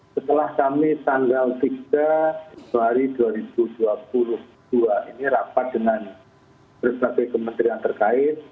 setelah kami tanggal tiga juli dua ribu dua puluh dua ini rapat dengan berbagai kementerian terkait